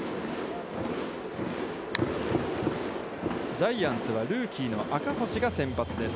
ジャイアンツはルーキーの赤星が先発です。